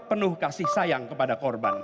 penuh kasih sayang kepada korban